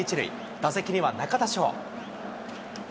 打席には中田翔。